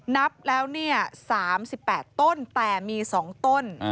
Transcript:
นับแล้ว๓๘ต้นแต่มี๒ต้น